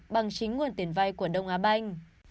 bằng chính nguồn tiền vay của đông á banh